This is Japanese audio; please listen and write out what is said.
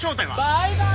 バイバイ！